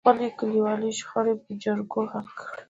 خپلې کليوالې شخړې په جرګو حل کړئ.